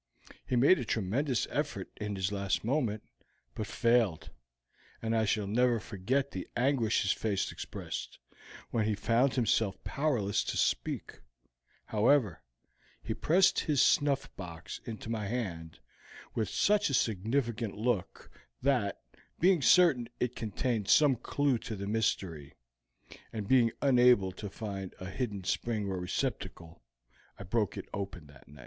He made a tremendous effort in his last moment, but failed, and I shall never forget the anguish his face expressed when he found himself powerless to speak; however, he pressed his snuffbox into my hand with such a significant look that, being certain it contained some clew to the mystery, and being unable to find a hidden spring or a receptacle, I broke it open that night.